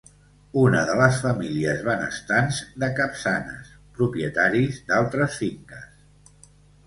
Una de les famílies benestants de Capçanes, propietaris d'altres finques.